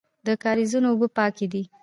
د کاریزونو اوبه پاکې دي